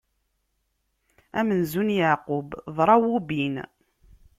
Amenzu n Yeɛqub, d Rawubin.